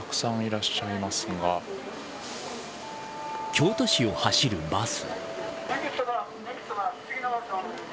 京都市を走るバス。